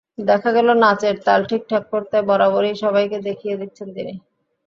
দেখা গেল, নাচের তাল ঠিকঠাক করতে বারবারই সবাইকে দেখিয়ে দিচ্ছেন তিনি।